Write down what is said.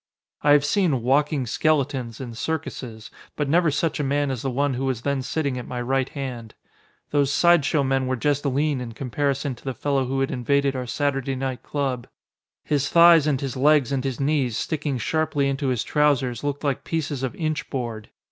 I have seen "walking skeletons" in circuses, but never such a man as the one who was then sitting at my right hand. Those side show men were just lean in comparison to the fellow who had invaded our Saturday night club. His thighs and his legs and his knees, sticking sharply into his trousers, looked like pieces of inch board.